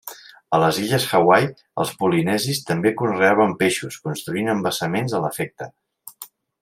A les illes Hawaii els polinesis també conreaven peixos construint embassaments a l'efecte.